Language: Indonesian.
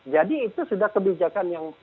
jadi itu sudah kebijakan yang